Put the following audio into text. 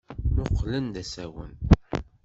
Mmuqqlen d asawen.